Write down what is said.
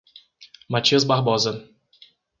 Matias Barbosa